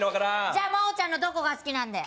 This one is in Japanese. じゃあ真央ちゃんのどこが好きなんだよ